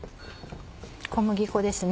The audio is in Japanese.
小麦粉ですね。